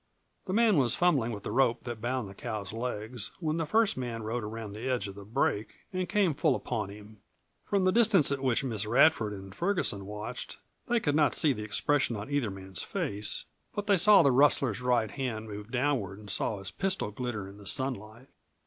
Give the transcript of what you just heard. The man was fumbling with the rope that bound the cow's legs, when the first man rode around the edge of the break and came full upon him. From the distance at which Miss Radford and Ferguson watched they could not see the expression of either man's face, but they saw the rustler's right hand move downward; saw his pistol glitter in the sunlight.